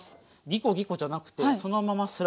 ギコギコじゃなくてそのままスライドです。